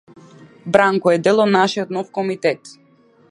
Бранко е дел од нашиот нов комитет.